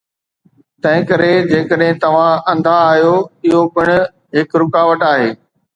تنهن ڪري، جيڪڏهن توهان انڌا آهيو، اهو پڻ هڪ رڪاوٽ آهي